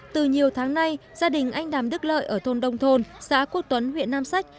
từ nhiều tháng nay gia đình anh đàm đức lợi ở thôn đông thôn xã quốc tuấn huyện nam sách